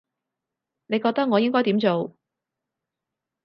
你覺得我應該點做